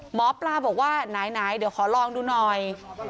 หมอปลาบอกว่าไหนเดี๋ยวขอลองดูหน่อย